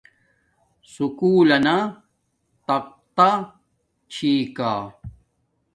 سکُول لنا تقتی چھی کا